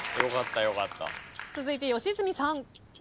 続いて吉住さん。